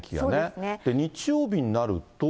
日曜日になると。